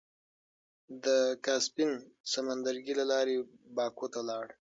د کاسپين سمندرګي له لارې باکو ته لاړ.